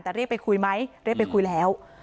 แต่เรียกไปคุยไหมเรียกไปคุยแล้ว